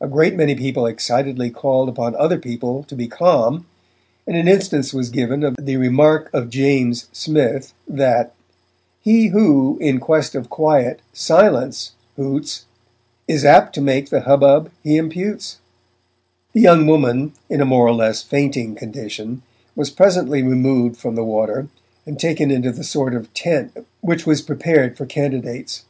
A great many people excitedly called upon other people to be calm, and an instance was given of the remark of James Smith that He who, in quest of quiet, 'Silence!' hoots Is apt to make the hubbub he imputes. The young woman, in a more or less fainting condition, was presently removed from the water, and taken into the sort of tent which was prepared for candidates.